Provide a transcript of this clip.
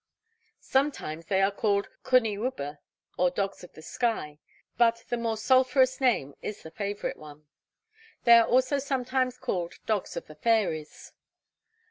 Sometimes they are called Cwn y Wybr, or Dogs of the Sky, but the more sulphurous name is the favourite one. They are also sometimes called Dogs of the Fairies.